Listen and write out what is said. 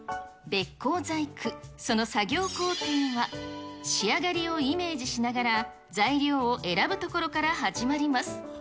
べっ甲細工、その作業工程は、仕上がりをイメージしながら、材料を選ぶところから始まります。